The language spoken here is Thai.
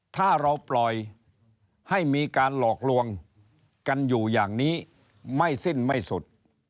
ถ้าเราปล่อยให้มีการหลอกลวงกันอยู่อย่างนี้ไม่สิ้นไม่สุด